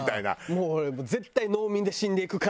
もう俺絶対農民で死んでいく。